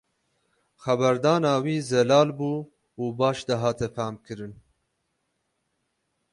Xeberdana wî zelal bû û baş dihate famkirin.